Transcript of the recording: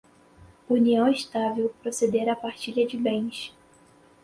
união estável, proceder à partilha de bens